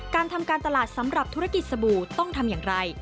การทำการตลาดสำหรับธุรกิจสบู่ต้องทำอย่างไร